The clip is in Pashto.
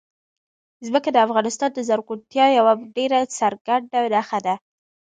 ځمکه د افغانستان د زرغونتیا یوه ډېره څرګنده نښه ده.